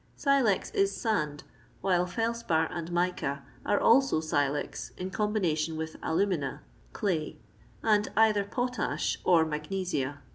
Silex is sand, while felspar and mica are also silez in conikiiHtion with alumina (clay), and either potash or magMsia.